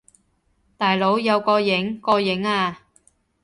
大佬，有個影！個影呀！